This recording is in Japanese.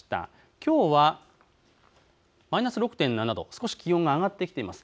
きょうはマイナス６．７度、少し気温が上がってきています。